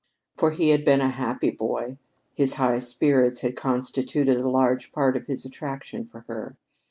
For he had been a happy boy. His high spirits had constituted a large part of his attraction for her.